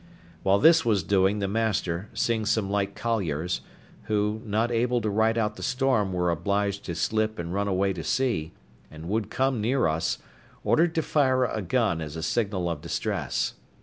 While this was doing the master, seeing some light colliers, who, not able to ride out the storm were obliged to slip and run away to sea, and would come near us, ordered to fire a gun as a signal of distress.